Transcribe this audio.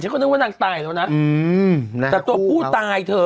ก็นึกว่านางตายแล้วนะแต่ตัวผู้ตายเธอ